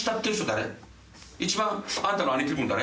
一番あんたの兄貴分誰？